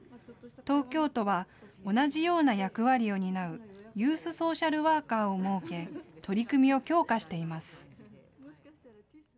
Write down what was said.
東京都は同じような役割を担うユースソーシャルワーカーを設け取り組みを強化しています。